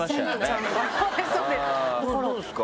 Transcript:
どうですか？